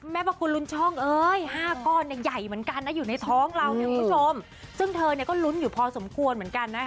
แม่พระคุณลุ้นช่อง๕ก้อนใหญ่เหมือนกันอยู่ในท้องเราซึ่งเธอก็ลุ้นอยู่พอสมควรเหมือนกัน